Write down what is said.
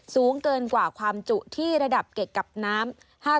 สูงเกินกว่าความจุที่ระดับเก็บกับน้ำ